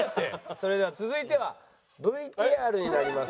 それでは続いてはＶＴＲになります。